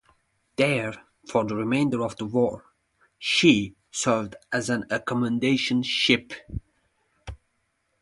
There, for the remainder of the war, she served as an accommodation ship.